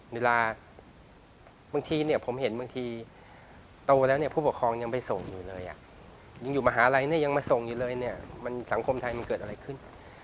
บางทีเนี่ยผมเห็นบางทีโตแล้วเนี่ยผู้ปกครองยังไปส่งอยู่เลยอ่ะยังอยู่มหาลัยเนี่ยยังมาส่งอยู่เลยเนี่ยมันสังคมไทยมันเกิดอะไรขึ้น